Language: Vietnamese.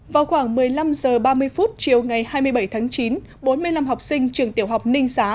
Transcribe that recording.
vào khoảng một mươi năm h ba mươi chiều ngày hai mươi bảy tháng chín bốn mươi năm học sinh trường tiểu học ninh xá